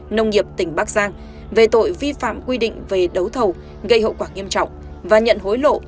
nông nghiệp tỉnh bắc giang về tội vi phạm quy định về đấu thầu gây hậu quả nghiêm trọng và nhận hối lộ